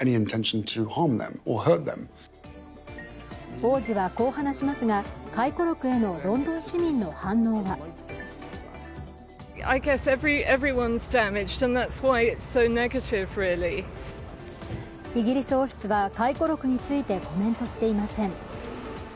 王子はこう話しますが、回顧録へのロンドン市民の反応はイギリス王室は回顧録についてコメントしていません。